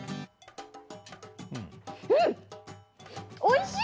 うんおいしい。